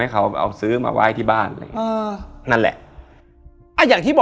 ก็สวดตามเลย